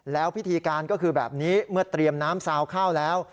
แล้วพิธีการก็คือแบบนี้เมื่อเตรียมน้ำซาวข้าวแล้ว